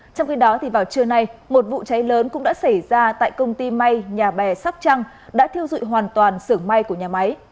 trong khi đó vào trưa nay một vụ cháy lớn cũng đã xảy ra tại công ty may nhà bè sóc trăng đã thiêu dụi hoàn toàn sưởng may của nhà máy